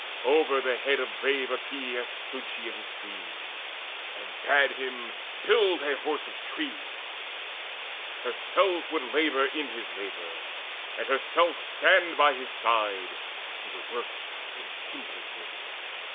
Over the head Of brave Epeius stood she in his dream, And bade him build a Horse of tree: herself Would labour in his labour, and herself Stand by his side, to the work enkindling him.